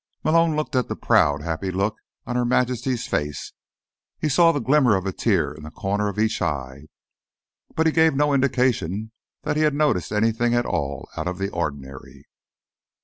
Malone looked at the proud, happy look on Her Majesty's face; he saw the glimmer of a tear in the corner of each eye. But he gave no indication that he had noticed anything at all out of the ordinary.